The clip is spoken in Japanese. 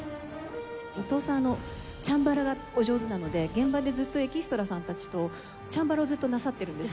伊藤さん、チャンバラがお上手なので、現場でずっとエキストラさんたちと、チャンバラをずっとなさっているんですよ。